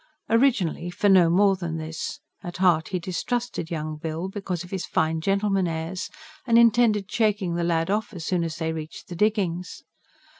Originally, for no more than this; at heart he distrusted Young Bill, because of his fine gentleman airs, and intended shaking the lad off as soon as they reached the diggings.